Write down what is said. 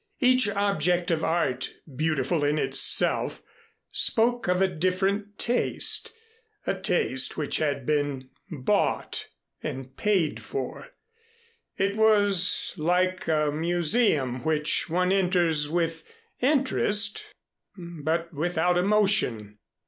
Each object of art, beautiful in itself, spoke of a different taste a taste which had been bought and paid for. It was like a museum which one enters with interest but without emotion.